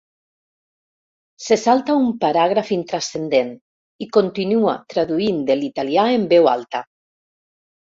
Se salta un paràgraf intranscendent i continua traduint de l'italià en veu alta.